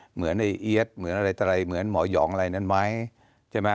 เหมือนไอเอี๊ยดเหมือนอะไรตลายเหมือนหมอยองอะไรนั้นไหม